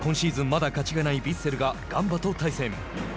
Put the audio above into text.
まだ勝ちがないヴィッセルがガンバと対戦。